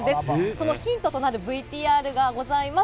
そのヒントとなるＶＴＲがございます。